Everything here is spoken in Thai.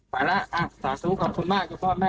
ไปแล้วสาธุขอบคุณมากกับพ่อแม่